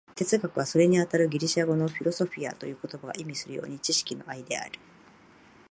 哲学は、それにあたるギリシア語の「フィロソフィア」という言葉が意味するように、知識の愛である。